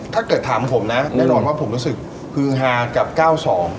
ถ้าเกิดถามผมนะแน่นอนว่าผมรู้สึกฮือฮากับเก้าสอง